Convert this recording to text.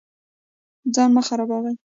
ځان مه خرابوئ